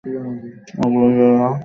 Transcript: আগে বললে এরা মহোৎসবের আয়োজন করত।